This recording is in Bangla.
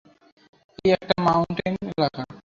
এটা একটা মাউন্টেইন এলাকা।